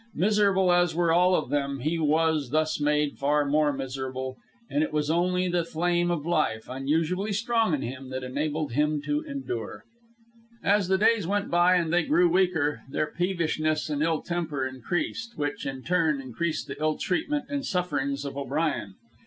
Miserable as were all of them, he was thus made far more miserable; and it was only the flame of life, unusually strong in him, that enabled him to endure. As the days went by and they grew weaker, their peevishness and ill temper increased, which, in turn, increased the ill treatment and sufferings of O'Brien.